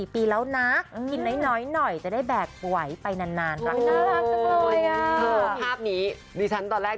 ๔ปีแล้วนะกินน้อยจะได้แบกไหวไปนานครับ